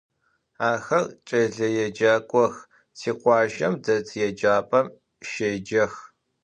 Axer ç'eleêcak'ox, tikhuace det yêcap'em şêcex.